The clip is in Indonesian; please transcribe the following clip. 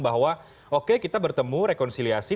bahwa oke kita bertemu rekonsiliasi